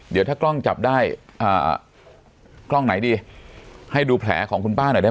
เดี๋ยวถ้ากล้องจับได้กล้องไหนดีให้ดูแผลของคุณป้าหน่อยได้